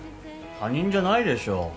他人じゃないでしょ。